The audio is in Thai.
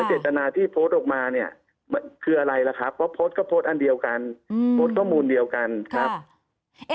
เจตนาที่โพสต์ออกมาเนี่ยคืออะไรล่ะครับเพราะโพสต์ก็โพสต์อันเดียวกันโพสต์ข้อมูลเดียวกันครับ